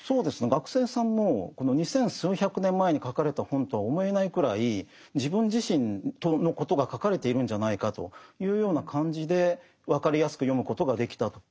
学生さんも二千数百年前に書かれた本とは思えないくらい自分自身のことが書かれているんじゃないかというような感じで分かりやすく読むことができたと。